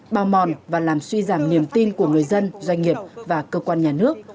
bao mòn và làm suy giảm niềm tin của người dân doanh nghiệp và cơ quan nhà nước